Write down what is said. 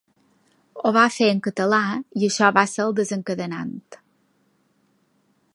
Ho va fer en català, i això va ser el desencadenant.